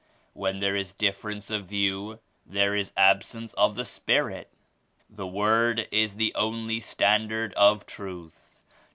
When there is difference of view there is absence of the Spirit. The Word is the only Standard of Truth.